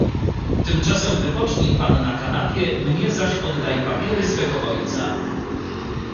"Tymczasem wypocznij pan na kanapie, mnie zaś oddaj papiery swego ojca."